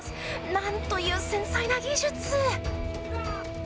なんという繊細な技術。